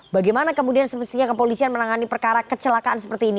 bagaimana kemudian semestinya kepolisian menangani perkara kecelakaan seperti ini